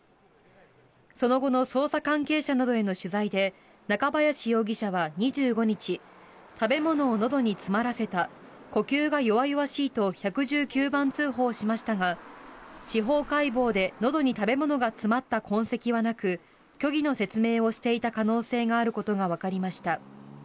その後の捜査関係者などへの取材で中林容疑者は２５日食べ物をのどに詰まらせた呼吸が弱々しいと１１９番通報しましたが司法解剖で、のどに食べ物が詰まった痕跡はなく虚偽の説明をしていた可能性があることがわかりました。